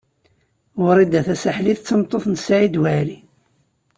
Wrida Tasaḥlit d tameṭṭut n Saɛid Waɛli.